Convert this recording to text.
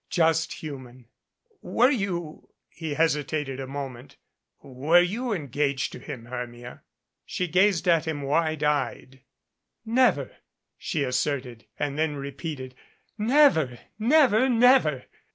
Just human " "Were you" he hesitated a moment "were you en gaged to him, Hermia?" She gazed at him wide eyed. "Never," she asserted, and then repeated, "Never, never, never!"